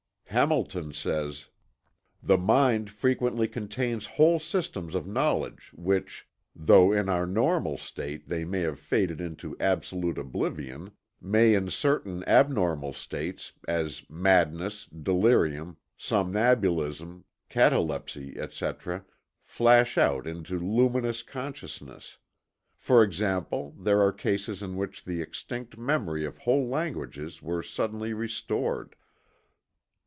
Hamilton says: "The mind frequently contains whole systems of knowledge which, though in our normal state they may have faded into absolute oblivion, may in certain abnormal states, as madness, delirium, somnambulism, catalepsy, etc., flash out into luminous consciousness.... For example, there are cases in which the extinct memory of whole languages were suddenly restored."